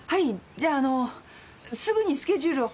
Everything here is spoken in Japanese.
じゃああのすぐにスケジュールを。